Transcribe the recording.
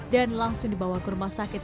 dan langsung dibawa ke rumah sakit